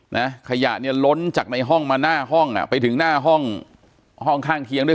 นะขยะเนี่ยล้นจากในห้องมาหน้าห้องอ่ะไปถึงหน้าห้องห้องข้างเคียงด้วย